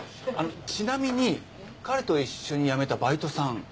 ちなみに彼と一緒に辞めたバイトさん